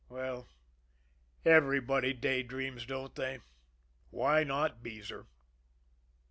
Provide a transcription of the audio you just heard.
Well, everybody day dreams, don't they? Why not Beezer?